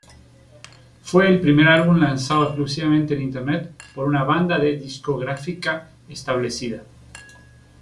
Fue el primer álbum lanzado exclusivamente en Internet por una banda de discográfica establecida.